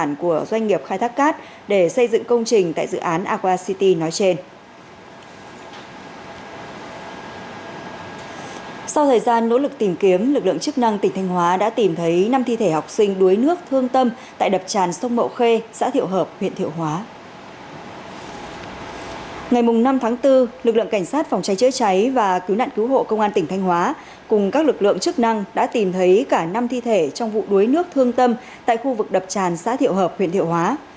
ngày năm tháng bốn lực lượng cảnh sát phòng cháy chữa cháy và cứu nạn cứu hộ công an tỉnh thanh hóa cùng các lực lượng chức năng đã tìm thấy cả năm thi thể trong vụ đuối nước thương tâm tại khu vực đập tràn xã thiệu hợp huyện thiệu hóa